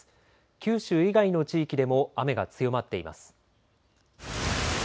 九州以外の地域でも雨が強まっています。